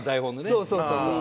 そうそうそうそう。